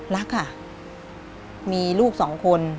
รักค่ะมีลูกสองคน